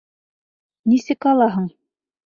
Нисек алаһың?